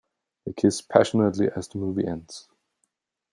They kiss passionately as the movie ends.